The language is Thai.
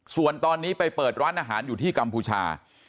ส่วนตอนนี้ไปเปิดร้านอาหารอยู่ที่กัมพูชา